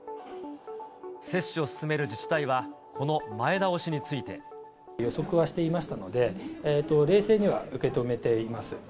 接種を進める自治体は、この前倒しについて。予測はしていましたので、冷静には受け止めています。